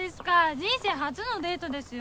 人生初のデートですよ！